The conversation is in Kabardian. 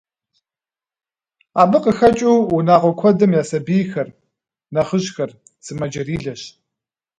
Абы къыхэкӏыу унагъуэ куэдым я сабийхэр, нэхъыжьхэр сымаджэрилэщ.